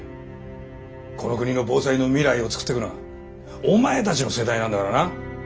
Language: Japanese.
この国の防災の未来を作っていくのはお前たちの世代なんだからな。